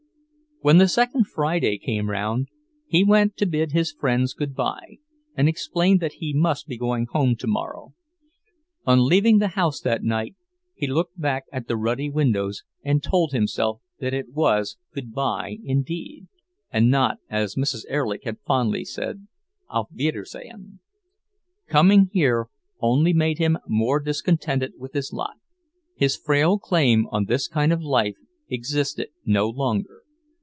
When the second Friday came round, he went to bid his friends good bye and explained that he must be going home tomorrow. On leaving the house that night, he looked back at the ruddy windows and told himself that it was goodbye indeed, and not, as Mrs. Erlich had fondly said, auf wiedersehen. Coming here only made him more discontented with his lot; his frail claim on this kind of life existed no longer.